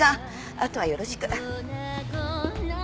あとはよろしく。